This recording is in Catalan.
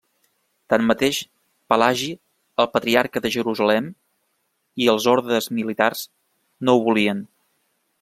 Tanmateix, Pelagi, el Patriarca de Jerusalem, i els ordes militars, no ho volien.